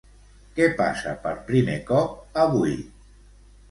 Què passa per primer cop avui?